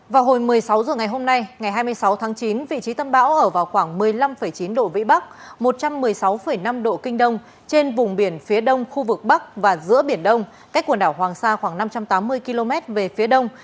vào hồi một mươi sáu h ngày hôm nay ngày hai mươi sáu tháng chín vị trí tâm bão ở vào khoảng một mươi năm chín độ vĩ bắc một trăm một mươi sáu năm độ kinh đông trên vùng biển phía đông khu vực bắc và giữa biển đông cách quần đảo hoàng sa khoảng năm trăm tám mươi km về phía đông